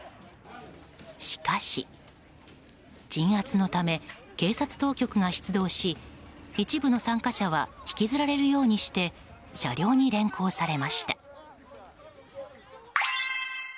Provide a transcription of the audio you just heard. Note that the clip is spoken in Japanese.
しかし鎮圧のため警察当局が出動し一部の参加者は引きずられるようにして車両に連行されました。